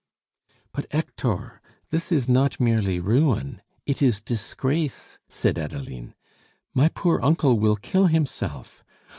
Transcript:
"But, Hector, this is not merely ruin, it is disgrace," said Adeline. "My poor uncle will kill himself.